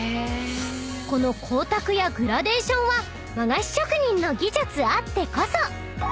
［この光沢やグラデーションは和菓子職人の技術あってこそ］